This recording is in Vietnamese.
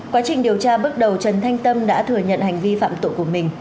quá trình điều tra bước đầu trần thanh tâm đã thừa nhận hành vi phạm tội của mình